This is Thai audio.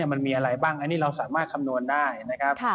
มันมีอะไรบ้างอันนี้เราสามารถคำนวณได้นะครับ